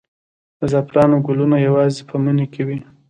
د زعفرانو ګلونه یوازې په مني کې وي؟